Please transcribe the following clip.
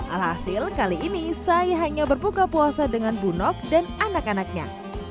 alhasil kali ini saya hanya berbuka puasa dengan bunok dan anak anaknya